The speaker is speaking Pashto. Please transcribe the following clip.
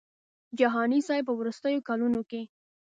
جهاني صاحب په وروستیو کلونو کې.